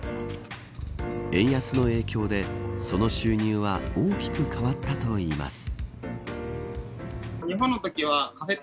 円安の影響でその収入は大きく変わったといいます。